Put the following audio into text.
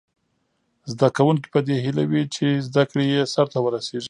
زده کوونکي په دې هیله وي چې زده کړه یې سرته ورسیږي.